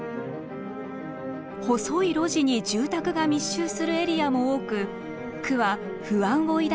細い路地に住宅が密集するエリアも多く区は不安を抱いています。